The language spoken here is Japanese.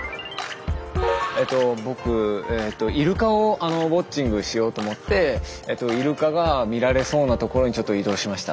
ええと僕ええとイルカをウォッチングしようと思ってイルカが見られそうなところにちょっと移動しました。